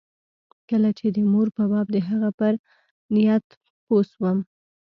کله چې د مور په باب د هغه پر نيت پوه سوم.